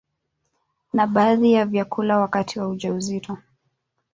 na baadhi ya vyakula wakati wa ujauzito